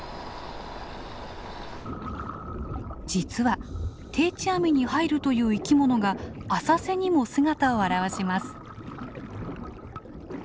実は定置網に入るという生きものが浅瀬にも姿を現します。